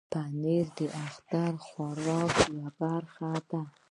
پنېر د اختر د خوراکو یوه برخه ده.